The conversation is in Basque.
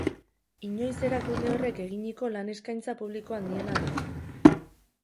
Inoiz erakunde horrek eginiko lan eskaintza publiko handiena da.